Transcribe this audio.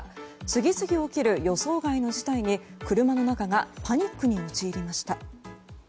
次々起きる予想外の事態に車の中がパニックに陥りました。